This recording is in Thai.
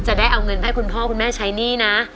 ได้เอาเงินให้คุณพ่อคุณแม่ใช้หนี้นะ